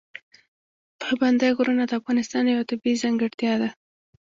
پابندی غرونه د افغانستان یوه طبیعي ځانګړتیا ده.